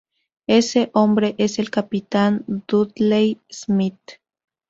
Ese hombre es el Capitán Dudley Smith.